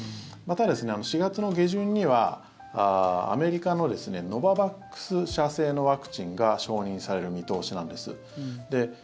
ただ、４月の下旬にはアメリカのノババックス社製のワクチンが承認される見通しなんです。